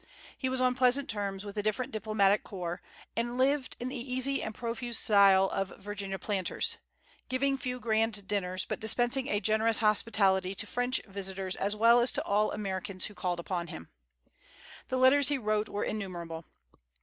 He was on pleasant terms with the different diplomatic corps, and lived in the easy and profuse style of Virginia planters, giving few grand dinners, but dispensing a generous hospitality to French visitors as well as to all Americans who called on him. The letters he wrote were innumerable.